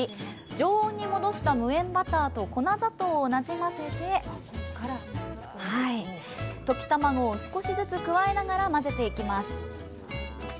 常温に戻した無塩バターと粉砂糖をなじませて溶き卵を少しずつ加えながら混ぜていきます。